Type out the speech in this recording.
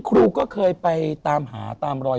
ครูก็เคยไปตามหาตามรอย